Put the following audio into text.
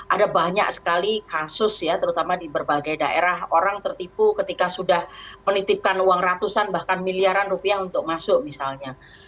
ada banyak sekali kasus ya terutama di berbagai daerah orang tertipu ketika sudah menitipkan uang ratusan bahkan miliaran rupiah untuk masuk misalnya